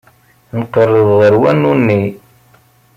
Nqerreb ɣer wanu-nni.